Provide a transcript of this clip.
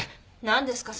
何ですか？